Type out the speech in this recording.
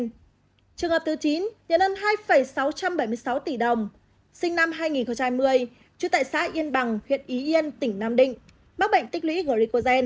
trường hợp thứ chín nhận hơn hai sáu trăm bảy mươi sáu tỷ đồng sinh năm hai nghìn một mươi trú tại xác yên bằng huyện y yên tỉnh nam định mắc bệnh tích lý glicogen